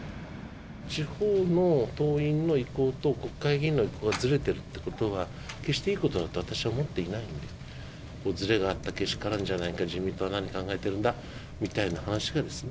地方の党員の意向と国会議員の意向がずれてるってことは決していいことだと私は思っていないんでずれがあったけしからんじゃないけど自民党は何考えてるんだみたいな話がですね